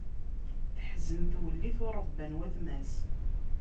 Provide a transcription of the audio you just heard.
Teḥzen twellit, ur ṛebban watma-s.